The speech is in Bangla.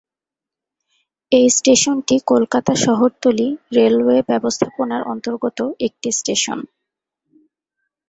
এই স্টেশনটি কলকাতা শহরতলি রেলওয়ে ব্যবস্থার অন্তর্গত একটি স্টেশন।